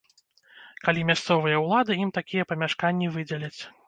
Калі мясцовыя ўлады ім такія памяшканні выдзяляць.